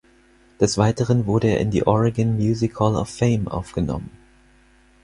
Des Weiteren wurde er in die Oregon Music Hall of Fame aufgenommen.